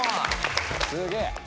すげえ。